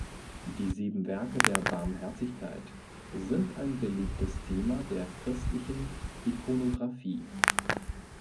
Die "sieben Werke der Barmherzigkeit" sind ein beliebtes Thema der christlichen Ikonographie.